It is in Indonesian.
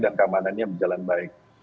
dan keamanannya berjalan baik